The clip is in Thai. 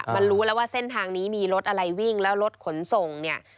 มันรู้แล้วว่าเส้นทางนี้มีรถอะไรวิ่งแล้วรถขนส่งเนี่ย